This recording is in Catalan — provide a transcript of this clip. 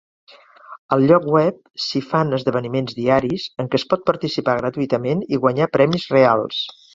Al lloc web s'hi fan esdeveniments diaris en què es pot participar gratuïtament i guanyar premis reals.